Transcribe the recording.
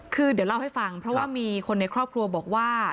คือเดี๋ยวเล่าให้ฟังเพราะว่ามีคนในครอบครัวบอกว่า